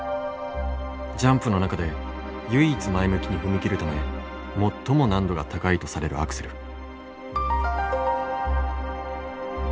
ジャンプの中で唯一前向きに踏み切るため最も難度が高いとされるアクセル。